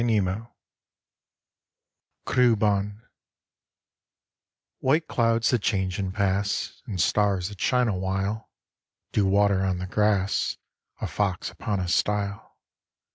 IN CAMP CREWBAWN White clouds that change and pass, And stars that shine awhile, Dew water on the grass, A fox upon a stile.